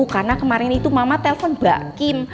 karena kemarin itu mama telpon mbak kim